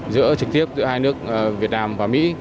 giữa trực tiếp giữa hai nước việt nam và mỹ